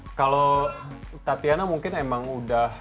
ya kalau tatiana mungkin emang udah